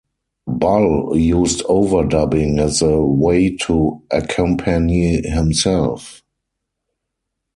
Bull used overdubbing as a way to accompany himself.